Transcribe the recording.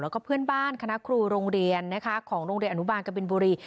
แล้วก็เพื่อนบ้านคณะครูโรงเรียนนะคะของโรงเรียนอนุบาลกบินบุรี